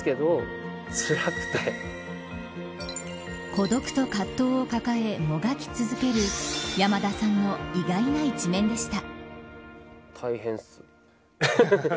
孤独と葛藤を抱えもがき続ける山田さんの意外な一面でした。